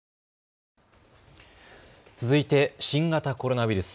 続いて新型コロナウイルス。